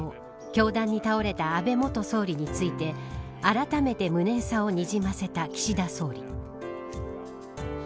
凶弾に倒れた安倍元総理についてあらためて無念さをにじませた岸田総理。